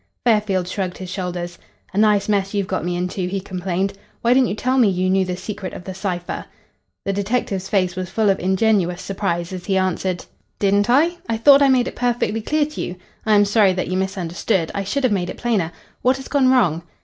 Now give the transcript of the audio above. Fairfield shrugged his shoulders. "A nice mess you've got me into," he complained. "Why didn't you tell me you knew the secret of the cipher?" The detective's face was full of ingenuous surprise as he answered "Didn't I? I thought I made it perfectly clear to you. I am sorry that you misunderstood. I should have made it plainer. What has gone wrong?"